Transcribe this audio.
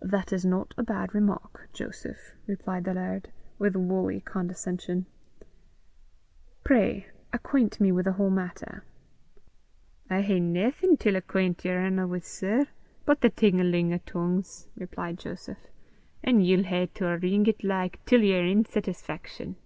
"That is not a bad remark, Joseph," replied the laird, with woolly condescension. "Pray acquaint me with the whole matter." "I hae naething till acquaint yer honour wi', sir, but the ting a ling o' tongues," replied Joseph; "an' ye'll hae till arreenge 't like, till yer ain settisfaction."